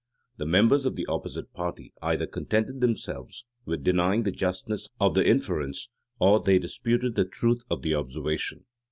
[] The members of the opposite party either contented themselves with denying the justness of the inference, or they disputed the truth of the observation.